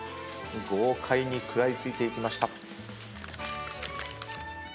豪快に食らいついていきました。